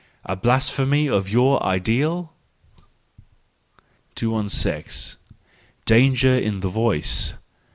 A blasphemy of your ideal ? 216. Danger in the Voice